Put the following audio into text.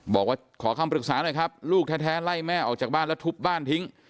บอกว่าขอคำปรึกษาหน่อยครับลูกแท้ไล่แม่ออกจากบ้านแล้วทุบบ้านทิ้ง